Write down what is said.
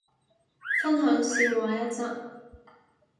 分享笑話一則